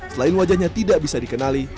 selain wajahnya tidak bisa dikenali